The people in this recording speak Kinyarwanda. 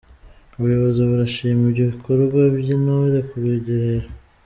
Ubuyobozi burashima ibikorwa by’Intore ku Rugerero